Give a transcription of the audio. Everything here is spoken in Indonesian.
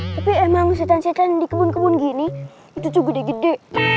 tapi emang setan setan di kebun kebun gini itu tuh gede gede